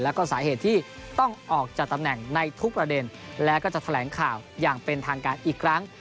แล้วก็สาเหตุที่ต้องออกจากตำแหน่งในทุกประเด็นแล้วก็จะแถลงข่าวอย่างเป็นทางการอีกครั้ง